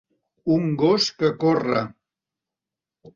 Un gos que corre.